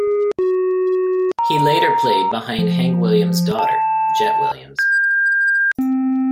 He later played behind Hank Williams' daughter Jett Williams.